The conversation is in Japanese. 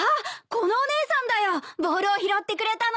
このお姉さんだよボールを拾ってくれたの。